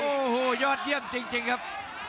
โอ้โหยอดเยี่ยมจริงครับ